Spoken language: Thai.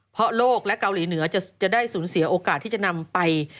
เพราะโลกและเกาหลีเหนือจะได้สูญเสียโอกาสที่จะนำไป